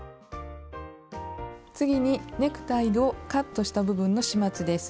次にネクタイのカットした部分の始末です。